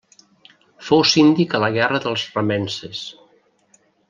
Fou síndic a la Guerra dels remences.